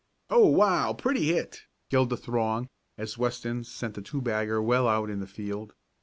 "Oh, wow! A pretty hit!" yelled the throng as Weston sent a two bagger well out in the field.